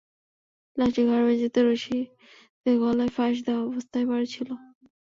লাশটি ঘরের মেঝেতে রশি দিয়ে গলায় ফাঁস দেওয়া অবস্থায় পড়ে ছিল।